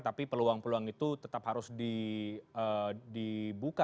tapi peluang peluang itu tetap harus dibuka